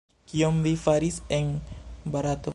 Kion vi faris en Barato?